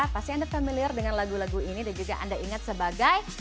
pasti anda familiar dengan lagu lagu ini dan juga anda ingat sebagai